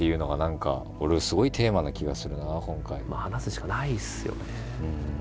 話すしかないですよね。